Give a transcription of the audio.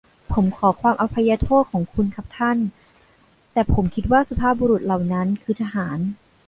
ผมขอความอภัยโทษของคุณครับท่าน แต่ผมคิดว่าสุภาพบุรุษเหล่านั้นคือทหาร ?